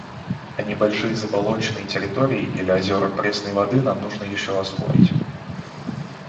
А небольшие заболоченные территории или озера пресной воды нам нужно еще освоить.